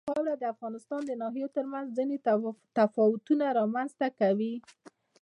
خاوره د افغانستان د ناحیو ترمنځ ځینې تفاوتونه رامنځ ته کوي.